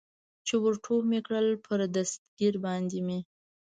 چې ور ټوپ مې کړل، پر دستګیر باندې مې.